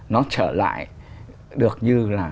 nó trở lại được như là